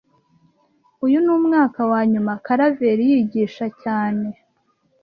Uyu ni umwaka wa nyuma Karaveri yigisha cyane